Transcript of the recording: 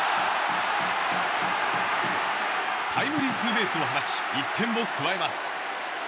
タイムリーツーベースを放ち１点を加えます。